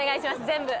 全部。